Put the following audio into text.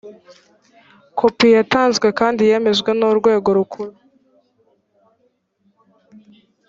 kopi yatanzwe kandi yemejwe n ‘urwego rukuru.